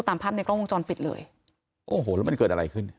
ตามภาพในกล้องวงจรปิดเลยโอ้โหแล้วมันเกิดอะไรขึ้น